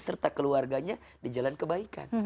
serta keluarganya di jalan kebaikan